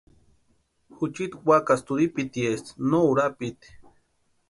Juchiti wakasï turhipitiesti no urapiti.